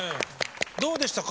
どうでしたか？